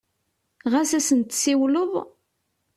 Ɣas ad sen-tsiwleḍ?